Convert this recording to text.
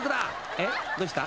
［えっどうした？